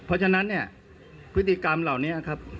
เพราะฉะนั้นเนี่ยพฤติกรรมเหล่านี้ครับ